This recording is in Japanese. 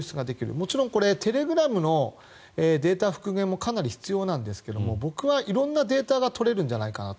もちろんテレグラムのデータ復元もかなり必要なんですが僕は色んなデータが取れるんじゃないかなと。